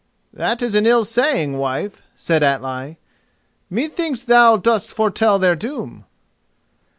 "That is an ill saying, wife," said Atli. "Methinks thou dost foretell their doom."